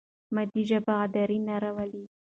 مادي ژبه غدر نه راولي.